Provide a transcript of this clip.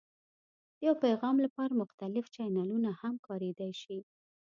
د یو پیغام لپاره مختلف چینلونه هم کارېدای شي.